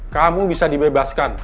kamu bisa dibebaskan